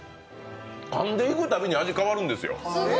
かんでいくたびに味が変わるんですよ